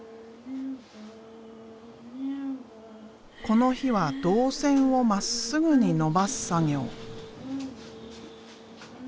この日は銅線をまっすぐに伸ばす作業。